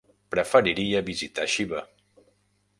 Preferiria visitar Xiva.